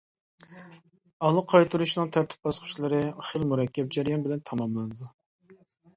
ئالا قايتۇرۇشنىڭ تەرتىپ باسقۇچلىرى خېلى مۇرەككەپ جەريان بىلەن تاماملىنىدۇ.